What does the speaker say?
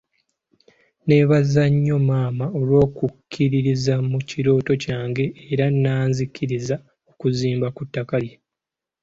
Nneebaza nnyo maama olw'okukkiririza mu kirooto kyange era n’anzikiriza okuzimba ku ttaka lye.